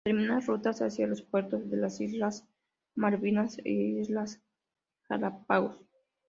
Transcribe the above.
Determinar rutas hacia los puertos de las islas Malvinas e islas Galápagos.